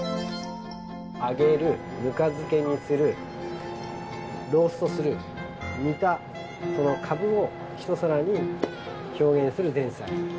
揚げるぬか漬けにするローストする煮たそのかぶを一皿に表現する前菜。